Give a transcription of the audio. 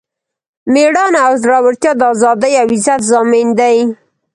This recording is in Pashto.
میړانه او زړورتیا د ازادۍ او عزت ضامن دی.